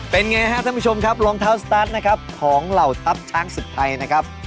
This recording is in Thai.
เป็นไงครับท่านผู้ชมครับรองเท้าสตาร์ทนะครับของเหล่าทัพช้างศึกไทยนะครับ